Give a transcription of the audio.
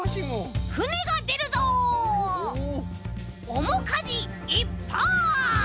おもかじいっぱい！